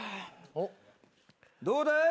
どうだい？